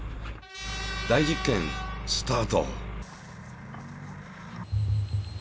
大実験スタート。